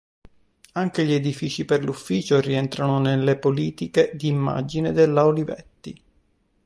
Anche gli edifici per ufficio rientrano nelle politiche di immagine della Olivetti.